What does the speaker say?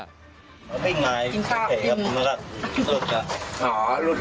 ตั๋วปิ่งไม้จิงผ้าเลยลุดละ